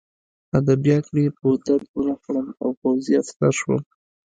ادبیات مې په درد ونه خوړل او پوځي افسر شوم